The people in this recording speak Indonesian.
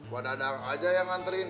buat ada anak aja yang antriin